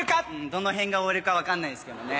どのへんがＯＬか分かんないですけどもね。